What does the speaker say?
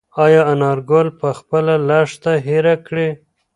ایا انارګل به خپله لښته هېره کړي؟